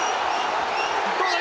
どうだ？